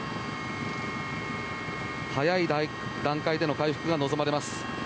早い段階での回復が望まれます。